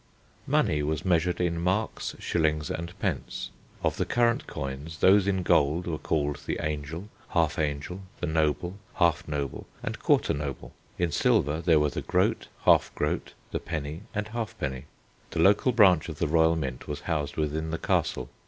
Money was measured in marks, shillings, and pence. Of the current coins those in gold were called the angel, half angel, the noble, half noble, and quarter noble; in silver there were the groat, half groat, the penny, and half penny. The local branch of the royal Mint was housed within the Castle.